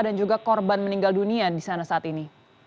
dan juga korban meninggal dunia di sana saat ini